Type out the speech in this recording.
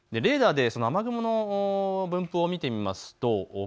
レーダーで雨雲の分布を見てみます。